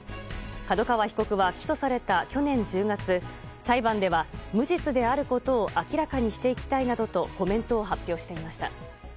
角川被告は起訴された去年１０月裁判では無実であることを明らかにしていきたいなどとコメントを発表していました。